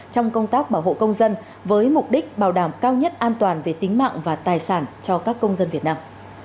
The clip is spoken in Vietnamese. trong công tác bảo hộ công dân với mục đích bảo đảm cao nhất an toàn về tính mạng và tài sản cho các công dân việt nam